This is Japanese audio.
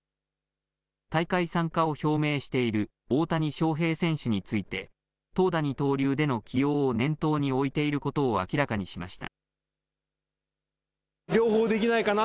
大会参加を表明している大谷翔平選手について投打二刀流での起用を念頭に置いていることを明らかにしました。